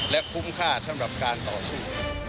และคุ้มค่าสำหรับการต่อสู้